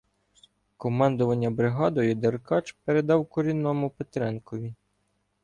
Командування бригадою Деркач передав курінному Петренкові.